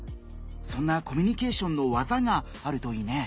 そんなコミュニケーションの技があるといいね。